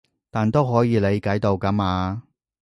但都可以理解到㗎嘛